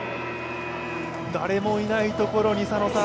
誰もいないところに。